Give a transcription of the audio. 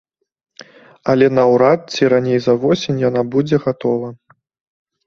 Але наўрад ці раней за восень яна будзе гатова.